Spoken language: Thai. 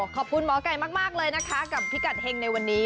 ขอบคุณหมอไก่มากเลยนะคะกับพิกัดเฮงในวันนี้